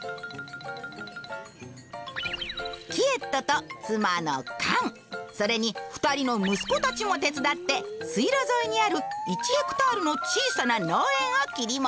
キエットと妻のカンそれに２人の息子たちも手伝って水路沿いにある１ヘクタールの小さな農園を切り盛りしている。